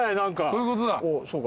こういうことだ。